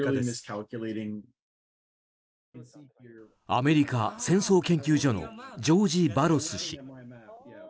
アメリカ、戦争研究所のジョージ・バロス氏。